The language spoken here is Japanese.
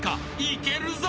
［いけるぞ。